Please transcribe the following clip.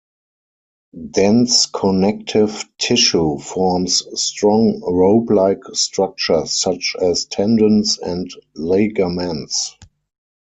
Dense connective tissue forms strong, rope-like structures such as tendons and ligaments.